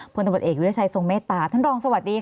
ผลตำรวจเอกวิทยาชัยทรงเมตตาท่านรองสวัสดีค่ะ